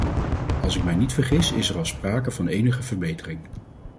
Als ik mij niet vergis is er al sprake van enige verbetering.